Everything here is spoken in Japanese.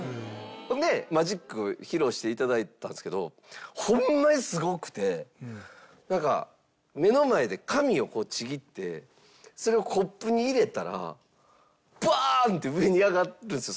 でマジックを披露していただいたんですけど目の前で紙をちぎってそれをコップに入れたらバーン！って上に上がるんですよ